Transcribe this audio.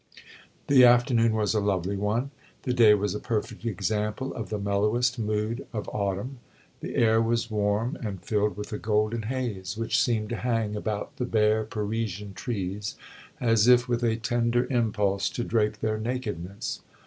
The afternoon was a lovely one the day was a perfect example of the mellowest mood of autumn. The air was warm and filled with a golden haze, which seemed to hang about the bare Parisian trees, as if with a tender impulse to drape their nakedness.